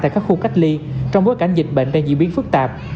tại các khu cách ly trong bối cảnh dịch bệnh đang diễn biến phức tạp